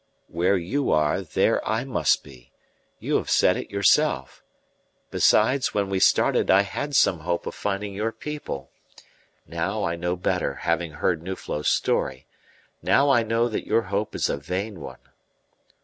"Where you are, there I must be you have said it yourself. Besides, when we started I had some hope of finding your people. Now I know better, having heard Nuflo's story. Now I know that your hope is a vain one."